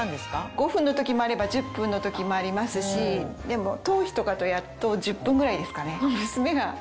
５分の時もあれば１０分の時もありますし頭皮とかとやると１０分ぐらいですかね。